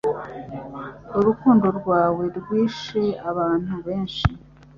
Urukundo rwawe rwishe; abantu benshi